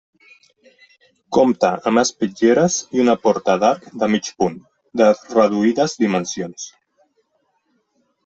Compta amb espitlleres i una porta d'arc de mig punt, de reduïdes dimensions.